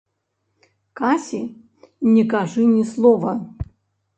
Касі не кажы ні слова.